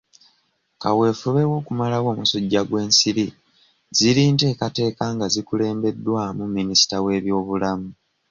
Kaweefube w'okumalawo omusujja gw'ensiri ziri nteekateeka nga zikulembeddwamu minisita w'ebyobulamu.